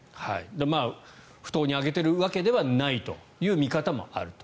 不当に上げてるわけではないという見方もあると。